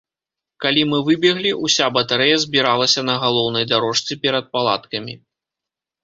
Калі мы выбеглі, уся батарэя збіралася на галоўнай дарожцы перад палаткамі.